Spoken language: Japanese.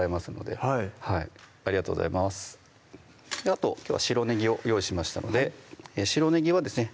あときょうは白ねぎを用意しましたので白ねぎはですね